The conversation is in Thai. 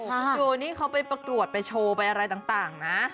โยนี่เขาไปประกวดไปโชว์ไปอะไรต่างนะ